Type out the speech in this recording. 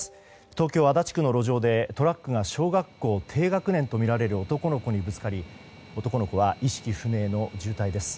東京・足立区の路上でトラックが小学校低学年とみられる男の子にぶつかり男の子は意識不明の重体です。